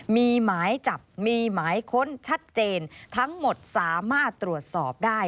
มีหมายจับมีหมายค้นชัดเจนทั้งหมดสามารถตรวจสอบได้